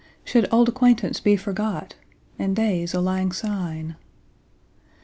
Should auld acquaintance be forgot, And days o' lang syne?